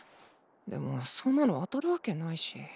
でもそんなの当たるわけないし。